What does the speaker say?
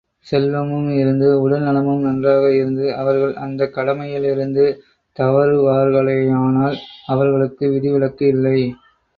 செல்வமும் இருந்து, உடல் நலமும் நன்றாக இருந்து, அவர்கள் அந்தக் கடமையிலிருந்து தவறுவார்களேயானால், அவர்களுக்கு விதி விலக்கு இல்லை.